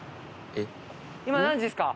今何時ですか？